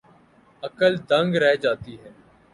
عقل دنگ رہ جاتی ہے۔